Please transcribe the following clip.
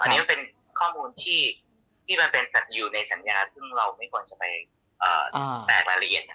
นี่มันคอมูลที่มันเป็นจัดอยู่ในสัญญานคือเราไม่ควรจะไปแปลกละเอียด